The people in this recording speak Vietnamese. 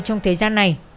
trong thời gian này